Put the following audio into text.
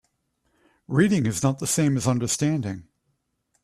Reading is not the same as understanding.